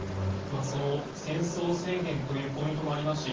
その戦争宣言というポイントもありますし